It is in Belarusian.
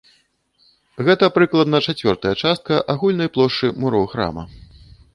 Гэта прыкладна чацвёртая частка агульнай плошчы муроў храма.